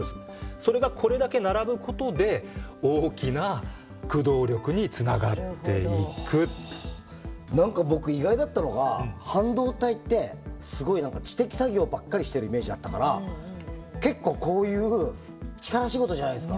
それがこれだけ並ぶことで何か僕意外だったのが半導体ってすごい知的作業ばっかりしてるイメージあったから結構こういう力仕事じゃないですか。